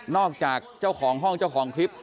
อกจากเจ้าของห้องเจ้าของคลิป